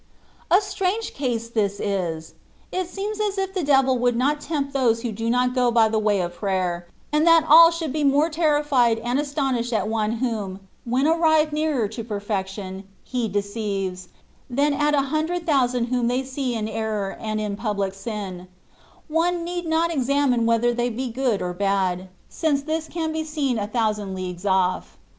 A strange case this is ! It seems as if the devil would not tempt those who do not go by the way of prayer, and that all should be more terrified and astonished at one whom, when arrived nearer to perfection, he deceives, than at a hundred thou sand whom they see in error and in pubUc sin : one need not examine whether they be good or bad, since this can be seen a thousand leagues off.